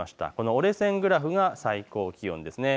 折れ線グラフが最高気温です。